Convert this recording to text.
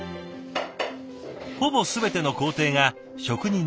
ほぼ全ての工程が職人の手仕事。